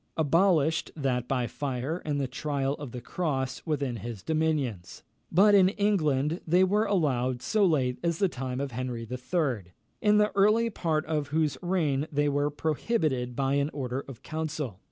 abolished that by fire and the trial of the cross within his dominions; but in England they were allowed so late as the time of Henry III., in the early part of whose reign they were prohibited by an order of council.